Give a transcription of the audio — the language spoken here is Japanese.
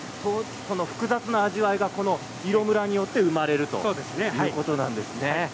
複雑な味わいがこの色ムラによって生まれるということなんですね。